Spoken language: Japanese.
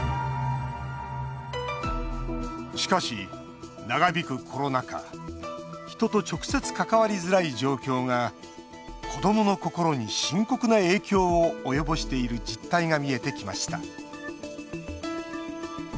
しかし、長引くコロナ禍人と直接関わりづらい状況が子どもの心に深刻な影響を及ぼしている実態が見えてきました。